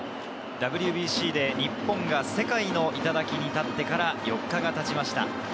ＷＢＣで日本が世界の頂に立ってから４日が経ちました。